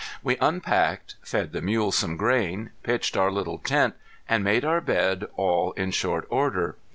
We unpacked, fed the mules some grain, pitched our little tent and made our bed all in short order.